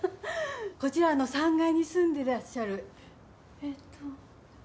こちら３階に住んでらっしゃるえっと。